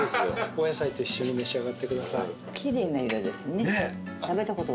お野菜と一緒に召し上がってください。